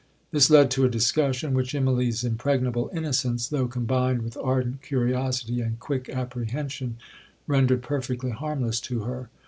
This led to a discussion, which Immalee's impregnable innocence, though combined with ardent curiosity and quick apprehension, rendered perfectly harmless to her.